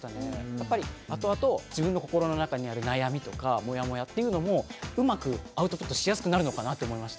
やっぱりあとあと自分の心の中にある悩みとかモヤモヤっていうのもうまくアウトプットしやすくなるのかなって思いました。